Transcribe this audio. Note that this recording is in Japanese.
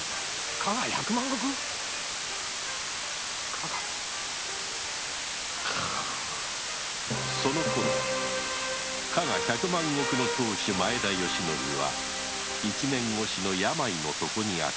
加賀百万石⁉そのころ加賀百万石の当主・前田吉徳は一年越しの病の床にあった